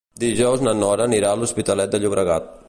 Dijous na Nora anirà a l'Hospitalet de Llobregat.